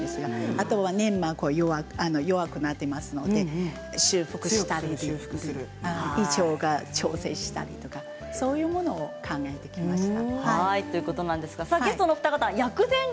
あとは粘膜弱くなっていますので修復したり胃腸を調整したりとかそういうものを考えてきました。